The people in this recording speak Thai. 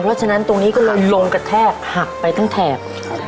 เพราะฉะนั้นตรงนี้ก็เลยลงกระแทกหักไปทั้งแถบ